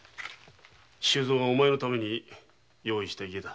周蔵がお前のために用意した家だ。